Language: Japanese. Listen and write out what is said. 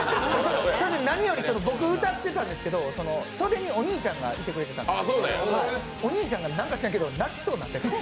何より僕歌ってたんですけどそでにお兄ちゃんがいてくれてたんですけどお兄ちゃんがなんか知らんけど泣きそうになってて。